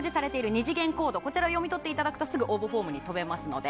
２次元コードを読み取っていただくと応募フォームに飛べますので。